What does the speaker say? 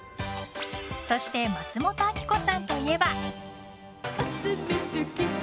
そして、松本明子さんといえば。